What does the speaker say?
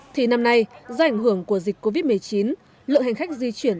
thì năm nay do ảnh hưởng của dịch covid một mươi chín lượng hành khách di chuyển